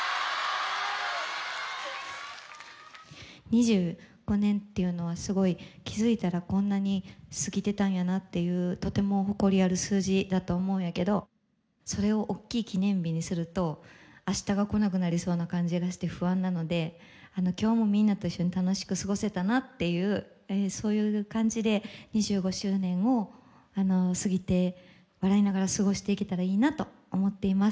２５年っていうのはすごい気付いたらこんなに過ぎてたんやなっていうとても誇りある数字だと思うんやけどそれを大きい記念日にすると明日が来なくなりそうな感じがして不安なのであの今日もみんなと一緒に楽しく過ごせたなっていうそういう感じで２５周年を過ぎて笑いながら過ごしていけたらいいなと思ってます。